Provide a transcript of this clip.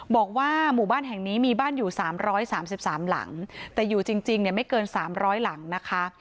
บอกว่าหมู่บ้านแห่งนี้มีบ้านอยู่๓๓หลังแต่อยู่จริงเนี่ยไม่เกิน๓๐๐หลังนะคะ